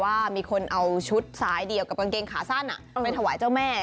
ว่ามีคนเอาชุดซ้ายเดียวกับกางเกงขาสั้นไปถวายเจ้าแม่